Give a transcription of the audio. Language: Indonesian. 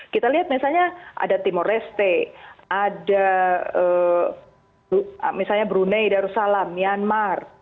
kita lihat misalnya ada timor leste ada misalnya brunei darussalam myanmar